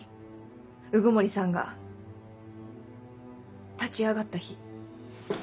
鵜久森さんが立ち上がった日。